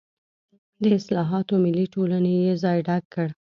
د اصلاحاتو ملي ټولنې یې ځای ډک کړ.